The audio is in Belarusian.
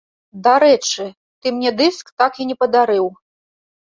Дарэчы, ты мне дыск так і не падарыў!